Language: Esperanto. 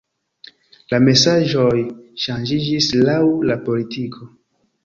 La mesaĝoj ŝanĝiĝis laŭ la politiko.